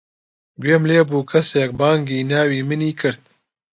گوێم لێ بوو کەسێک بانگی ناوی منی کرد.